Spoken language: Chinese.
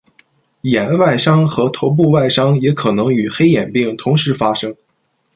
眼外伤和头部外伤也可能与黑眼病同时发生。